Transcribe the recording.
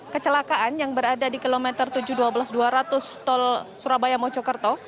kecelakaan yang berada di kilometer tujuh ratus dua belas dua ratus tol surabaya mojokerto